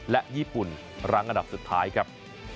และญี่ปุ่นรั้งอันดับสุดท้ายครับ